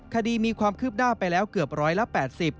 คดีมีความคืบหน้าไปแล้วเกือบร้อยละ๘๐